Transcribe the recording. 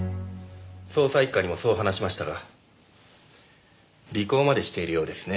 捜査一課にもそう話しましたが尾行までしているようですね。